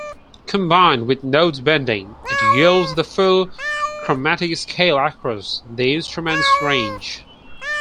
Combined with note "bending", it yields the full chromatic scale across the instrument's range.